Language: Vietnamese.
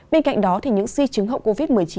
bên cạnh đó những suy chứng hậu covid một mươi chín